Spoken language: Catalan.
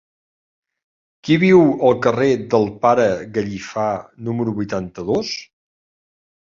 Qui viu al carrer del Pare Gallifa número vuitanta-dos?